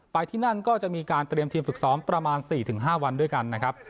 ที่นั่นก็จะมีการเตรียมทีมฝึกซ้อมประมาณ๔๕วันด้วยกันนะครับ